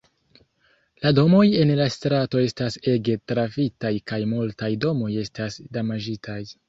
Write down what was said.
La domoj en la strato estas ege trafitaj kaj multaj domoj estas damaĝitaj.